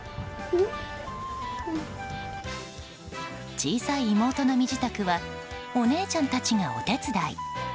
小さい妹の身支度はお姉ちゃんたちがお手伝い。